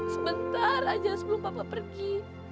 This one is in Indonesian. sebentar saja sebelum saya pergi